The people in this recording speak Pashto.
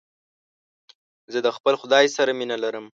زه د خپل خداى سره مينه لرم.